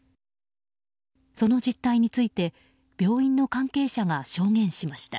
その実態について病院の関係者が証言しました。